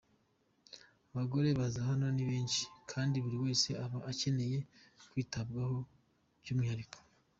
Abagore baza hano ni benshi kandi buri wese aba akeneye kwitabwaho by’umwihariko.”